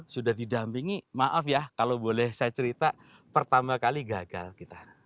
sudah didampingi maaf ya kalau boleh saya cerita pertama kali gagal kita